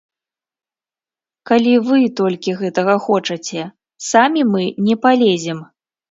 Калі вы толькі гэтага хочаце, самі мы не палезем.